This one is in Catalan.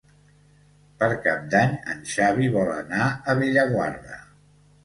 Per Cap d'Any en Xavi vol anar a Bellaguarda.